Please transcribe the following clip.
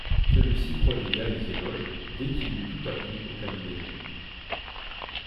Celui-ci prodigua les éloges dès qu'il eût tout appris au cabinet jaune.